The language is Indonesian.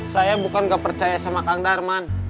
saya bukan gak percaya sama kang darman